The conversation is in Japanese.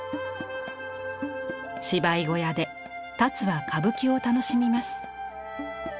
芝居小屋で田鶴は歌舞伎を楽しみます。